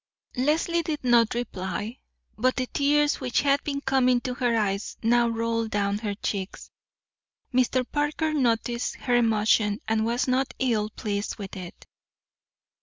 Leslie did not reply; but the tears which had been coming to her eyes now rolled down her cheeks. Mr. Parker noticed her emotion and was not ill pleased with it.